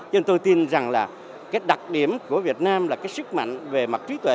nhưng tôi tin rằng là cái đặc điểm của việt nam là cái sức mạnh về mặt trí tuệ